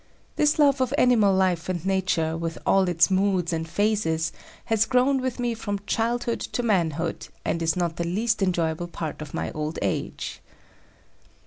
This love of animal life and Nature, with all its moods and phases, has grown with me from childhood to manhood, and is not the least enjoyable part of my old age.